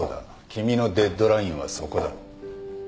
君のデッドラインはそこだ。